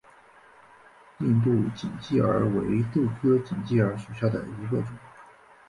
印度锦鸡儿为豆科锦鸡儿属下的一个种。